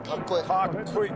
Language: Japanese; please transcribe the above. かっこいい！